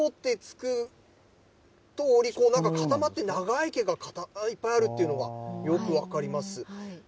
で、お隣はしっぽってつくとおり、なんか固まって、長い毛がいっぱいあるっていうのがよく分かります。